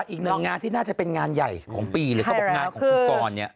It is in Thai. อีกหน้างานที่น่าจะเป็นงานใหญ่ของปีหรือความงานของคุณกร